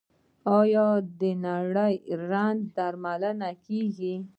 آیا د نري رنځ درملنه کیږي؟